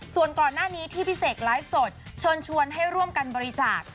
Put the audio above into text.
ส่วนก่อนหน้านี้ที่พี่เสกไลฟ์สดเชิญชวนให้ร่วมกันบริจาค